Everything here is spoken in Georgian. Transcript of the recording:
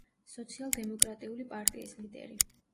სოციალ-დემოკრატიული პარტიის ლიდერი.